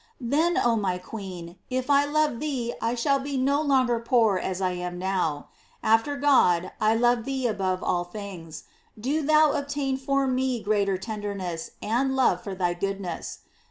Then, oh my queen, if I love thee I shall be no longer poor as I am now. After my God, I love thee above all things; do thou obtain for me greater tenderness and love for thy goodness.